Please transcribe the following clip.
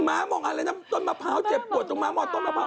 ห้ามงอะไรนะต้นมะพร้าวเจ็บปวดถงมาหมดต้นมะพร้าว